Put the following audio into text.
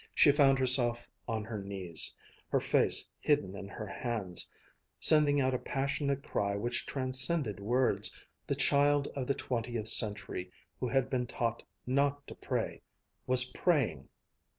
She found herself on her knees, her face hidden in her hands, sending out a passionate cry which transcended words. The child of the twentieth century, who had been taught not to pray, was praying.